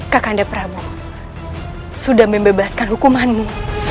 kakanda pramu sudah membebaskan hukumanmu